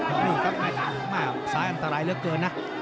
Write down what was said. ลองรีบรับมานะคะไซส์อันตรายเหลือเกินนะ